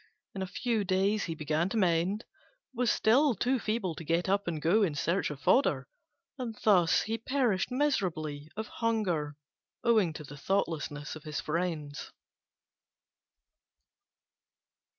In a few days he began to mend, but was still too feeble to get up and go in search of fodder; and thus he perished miserably of hunger owing to the thoughtlessness of his friends.